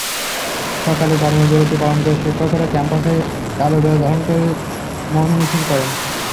সকালে কর্মবিরতি পালন করে শিক্ষকেরা ক্যাম্পাসে কালোব্যাজ ধারণ করে মৌন মিছিল করেন।